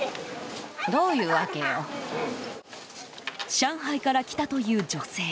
上海から来たという女性。